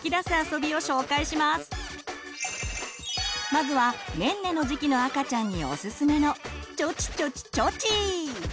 まずはねんねの時期の赤ちゃんにおすすめの「ちょちちょちちょち